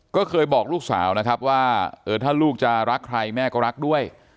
ก็เคยบอกลูกสาวนะครับว่าถ้าลูกจะรักใครแม่ก็รักด้วย